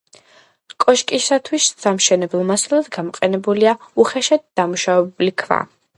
კოშკისათვის სამშენებლო მასალად გამოყენებულია უხეშად დამუშავებული ქვა.